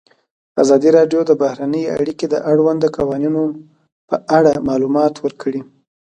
ازادي راډیو د بهرنۍ اړیکې د اړونده قوانینو په اړه معلومات ورکړي.